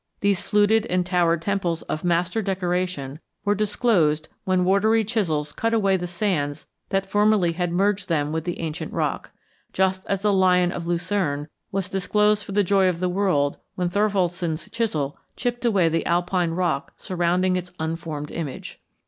These fluted and towered temples of master decoration were disclosed when watery chisels cut away the sands that formerly had merged them with the ancient rock, just as the Lion of Lucerne was disclosed for the joy of the world when Thorwaldsen's chisel chipped away the Alpine rock surrounding its unformed image.